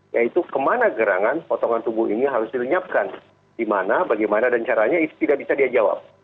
yaitu kemana gerangan potongan tubuh ini harus dilenyapkan di mana bagaimana dan caranya itu tidak bisa dia jawab